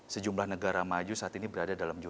sejumlah negara maju saat ini berada dalam jumlah